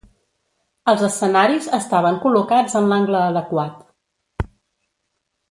Els escenaris estaven col·locats en l'angle adequat.